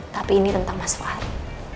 tapi ini tentang mas fahri